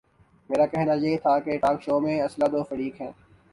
میرا کہنا یہ تھا کہ ٹاک شو میں اصلا دو فریق ہیں۔